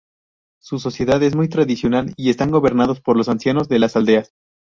Su sociedad es muy tradicional y están gobernados por los ancianos de las aldeas.